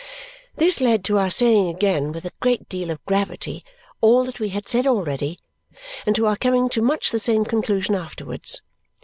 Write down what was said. This led to our saying again, with a great deal of gravity, all that we had said already and to our coming to much the same conclusion afterwards.